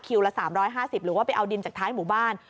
ละ๓๕๐หรือว่าไปเอาดินจากท้ายหมู่บ้าน